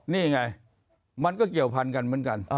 นี่ไงมันก็เกี่ยวพันกันเหมือนกัน